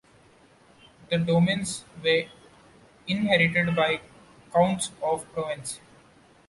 The domains were inherited by Counts of Provence.